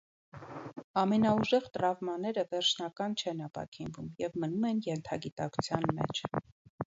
Ամենաուժեղ տրավմաները վերջնական չեն ապաքինվում և մնում են ենթագիտակցության մեջ։